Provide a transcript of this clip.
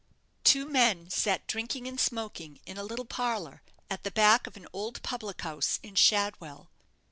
Two men sat drinking and smoking in a little parlour at the back of an old public house in Shadwell.